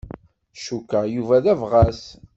Cukkeɣ Yuba d abɣas.